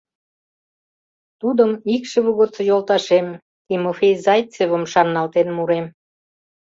Тудым икшыве годсо йолташем — Тимофей Зайцевым шарналтен мурем.